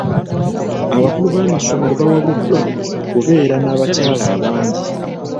Abakulu b'amasomero bawabuddwa ku kubeera n'abakyala abangi.